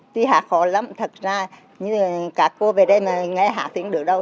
tuy hát khó lắm thật ra như là các cô về đây mà nghe hát thì cũng được đâu